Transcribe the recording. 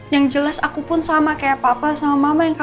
yang jelas aku pun sama kayak papa sama mama yang kak